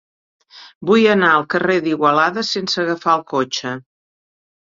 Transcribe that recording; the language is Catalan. Vull anar al carrer d'Igualada sense agafar el cotxe.